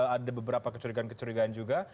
ada beberapa kecurigaan kecurigaan juga